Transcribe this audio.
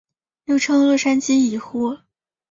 又称洛杉矶疑惑。